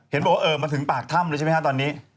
เห็นบอกว่าเออมาถึงปากถ้ำเลยใช่ไหมฮะตอนนี้